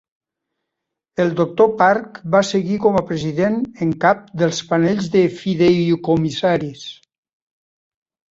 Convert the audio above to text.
El Doctor Park va seguir com a president en cap dels panell de fideïcomissaris.